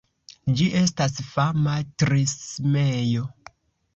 Ĝi estas fama trismejo.